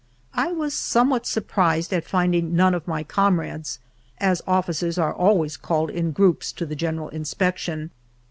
I was somewhat surprised at finding none of my comrades, as officers are always called in groups to the general inspection.